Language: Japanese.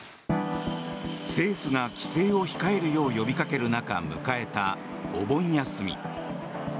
政府が帰省を控えるよう呼びかける中迎えたお盆休み。